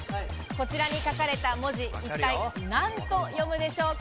こちらに書かれた文字、一体なんと読むでしょうか？